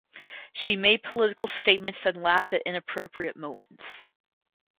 She made political statements and laughed at inappropriate moments.